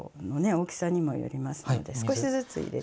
大きさにもよりますので少しずつ入れて。